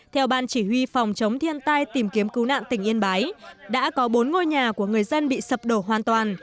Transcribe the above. theo ban chỉ huy phòng chống thiên tai tìm kiếm cứu nạn tỉnh yên bái đã có bốn ngôi nhà của người dân bị sập đổ hoàn toàn